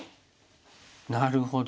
なるほど。